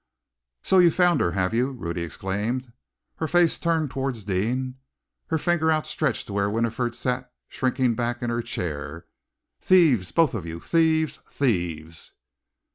"So you've found her, have you?" Ruby exclaimed, her face turned towards Deane, her finger outstretched to where Winifred sat shrinking back in her chair. "Thieves, both of you! Thieves! Thieves!"